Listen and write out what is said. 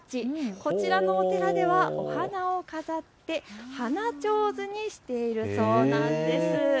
こちらのお寺ではお花を飾って花ちょうずにしているそうなんです。